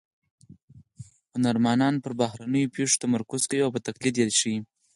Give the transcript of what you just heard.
هنرمنان پر بهرنیو پېښو تمرکز کوي او په تقلید کې یې ښيي